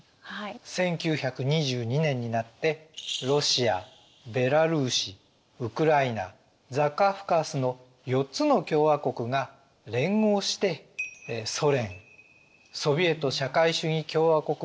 １９２２年になってロシアベラルーシウクライナザカフカースの４つの共和国が連合してソ連ソヴィエト社会主義共和国連邦が誕生したわけです。